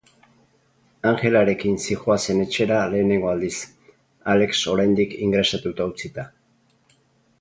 Angelarekin zihoazen etxera lehenengo aldiz, Alex oraindik ingresatuta utzita.